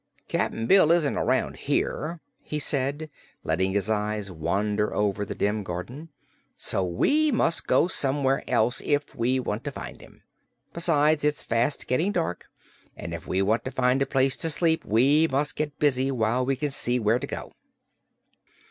"Cap'n Bill isn't around here," he said, letting his eyes wander over the dim garden, "so we must go somewhere else if we want to find him. Besides, it's fast getting dark, and if we want to find a place to sleep we must get busy while we can see where to go."